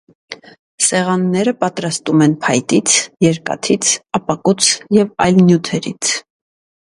Սեղանները պատրաստում են փայտից, երկաթից, ապակուց և այլ նյութերից։